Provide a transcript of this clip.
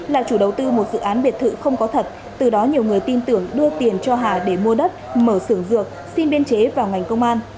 là chủ đầu tư một dự án biệt thự không có thật từ đó nhiều người tin tưởng đưa tiền cho hà để mua đất mở sưởng dược xin biên chế vào ngành công an